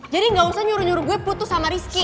jadi gak usah nyuruh nyuruh gue putus sama rizky